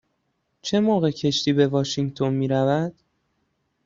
چه موقع کشتی به واشینگتن می رود؟